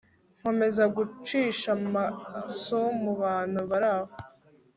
nkomeza gucisha amaso mubantu baraho